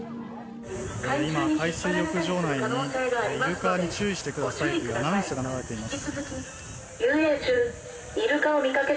今、海水浴場内にイルカに注意してくださいというアナウンスが流れています。